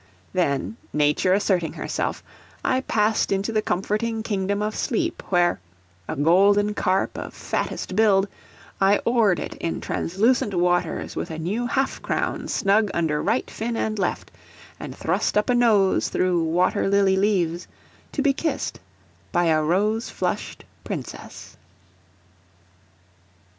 Then, nature asserting herself, I passed into the comforting kingdom of sleep, where, a golden carp of fattest build, I oared it in translucent waters with a new half crown snug under right fin and left; and thrust up a nose through water lily leaves to be kissed by a rose flushed Princess.